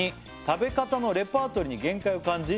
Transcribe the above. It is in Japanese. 「食べ方のレパートリーに限界を感じ」